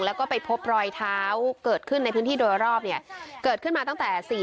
แล้วก็ไปพบรอยเท้าเกิดขึ้นในพื้นที่โดยรอบเนี่ยเกิดขึ้นมาตั้งแต่๔๐